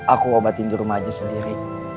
aku obatin di rumah aja sendiri